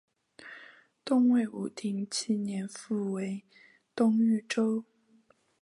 东魏武定七年复为东豫州。